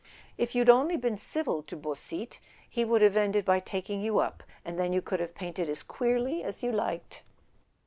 "If you'd only been civil to Beausite he would have ended by taking you up, and then you could have painted as queerly as you liked."